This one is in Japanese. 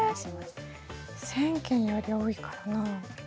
１０００件よりは多いかな。